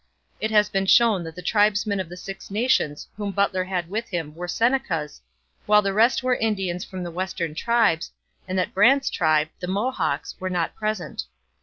It has been shown that the tribesmen of the Six Nations whom Butler had with him were Senecas, while the rest were Indians from the western tribes, and that Brant's tribe, the Mohawks, were not present.